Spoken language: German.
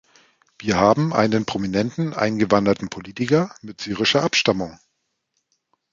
Wir haben einen prominenten eingewanderten Politiker mit syrischer Abstammung.